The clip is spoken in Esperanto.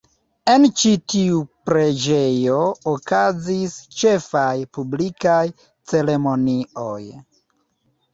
En ĉi tiu preĝejo okazis ĉefaj publikaj ceremonioj.